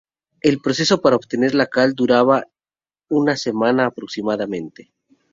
El proceso para obtener la cal duraba una semana aproximadamente.